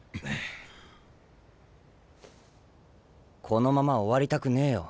このまま終わりたくねえよ